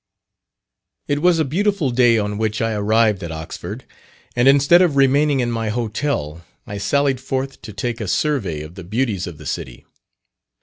It was a beautiful day on which I arrived at Oxford, and instead of remaining in my hotel, I sallied forth to take a survey of the beauties of the city.